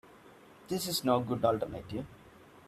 This no good alternative.